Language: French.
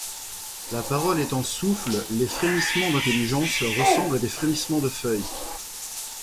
La parole étant souffle, les frémissements d’intelligences ressemblent à des frémissements de feuilles.